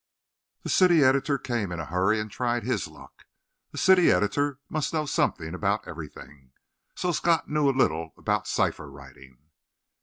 The city editor came in a hurry, and tried his luck. A city editor must know something about everything; so Scott knew a little about cipher writing.